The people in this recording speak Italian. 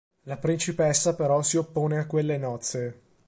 La principessa, però, si oppone a quelle nozze.